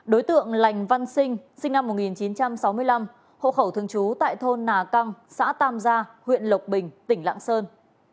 đối tượng lành văn sinh sinh năm một nghìn chín trăm sáu mươi năm hộ khẩu thường trú tại thôn nà căng xã tam gia huyện lộc bình tỉnh lạng sơn